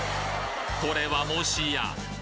これはもしや！？